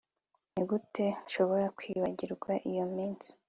nigute nshobora kwibagirwa iyo minsi